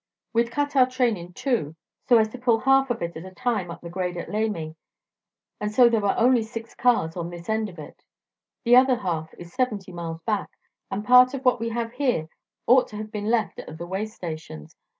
We'd cut our train in two, so as to pull half of it at a time up the grade at Lamy, and so there were only six cars on this end of it. The other half is seventy miles back, and part of what we have here ought to have been left at the way stations.